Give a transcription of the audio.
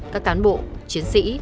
các cán bộ chiến sĩ